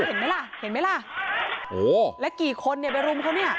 เห็นไหมล่ะเห็นไหมล่ะโหแล้วกี่คนเนี่ยไปรุมเขาเนี่ย